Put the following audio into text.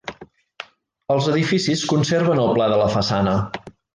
Els edificis conserven el pla de la façana.